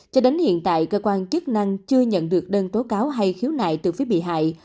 cho đến hiện tại cơ quan chức năng chưa nhận được đơn tố cáo hay khiếu nại từ phía bị hại